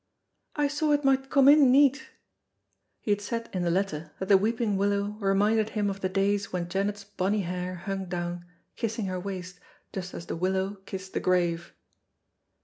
"I saw it might come in neat." (He had said in the letter that the weeping willow reminded him of the days when Janet's bonny hair hung down kissing her waist just as the willow kissed the grave.)